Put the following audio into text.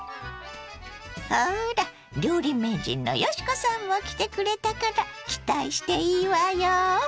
ほら料理名人の嘉子さんも来てくれたから期待していいわよ。